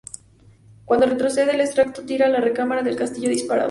Cuando retrocede, el extractor tira de la recámara el casquillo disparado.